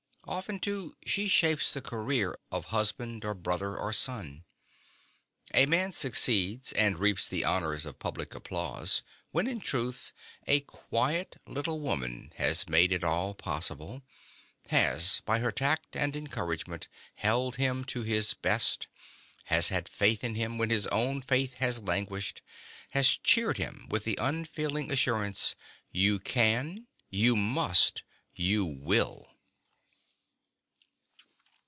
Often too she shapes the career of husband or brother or son. A man succeeds and reaps the honors of public applause, when in truth a quiet little woman has made it all possible has by her tact and encouragement held him to his best, has had faith in him when his own faith has languished, has cheered him with the unfailing assurance, "You can, you must, you will."